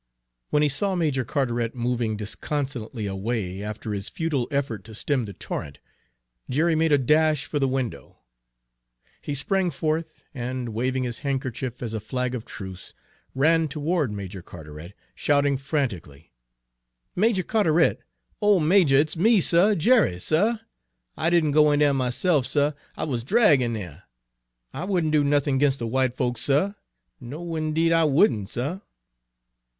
When he saw Major Carteret moving disconsolately away after his futile effort to stem the torrent, Jerry made a dash for the window. He sprang forth, and, waving his handkerchief as a flag of truce, ran toward Major Carteret, shouting frantically: "Majah Carteret O majah! It's me, suh, Jerry, suh! I didn' go in dere myse'f, suh I wuz drag' in dere! I wouldn' do nothin' 'g'inst de w'ite folks, suh, no, 'ndeed, I wouldn', suh!"